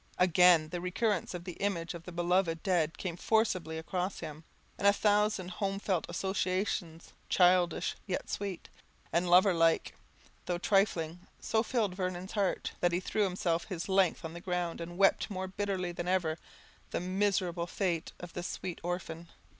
Again the recurrence of the image of the beloved dead came forcibly across him; and a thousand home felt associations, childish yet sweet, and lover like though trifling, so filled Vernon's heart, that he threw himself his length on the ground, and wept more bitterly than ever the miserable fate of the sweet orphan.